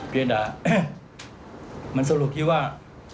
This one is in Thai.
เพราะฉะนั้นมันสรุปที่ว่า